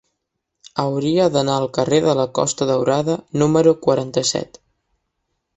Hauria d'anar al carrer de la Costa Daurada número quaranta-set.